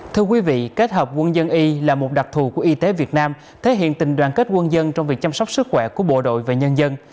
thưa quý vị kết hợp quân dân y là một đặc thù của y tế việt nam thể hiện tình đoàn kết quân dân trong việc chăm sóc sức khỏe của bộ đội và nhân dân